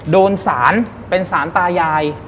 โดนสารเป็นสารตายาย